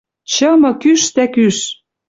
Чымы кӱш дӓ кӱш —